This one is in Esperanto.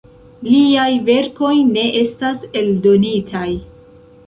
Liaj verkoj ne estas eldonitaj.